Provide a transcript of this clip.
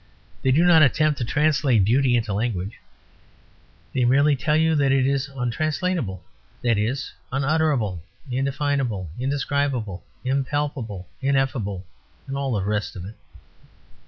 They do not attempt to translate beauty into language; they merely tell you that it is untranslatable that is, unutterable, indefinable, indescribable, impalpable, ineffable, and all the rest of it.